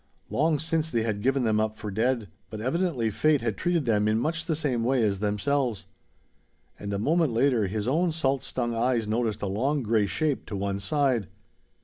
Long since they had given them up for dead; but evidently fate had treated them in much the same way as themselves. And a moment later his own salt stung eyes noticed a long gray shape to one side.